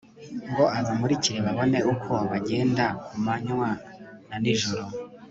ngo abamurikire babone uko bagenda ku manywa na nijoro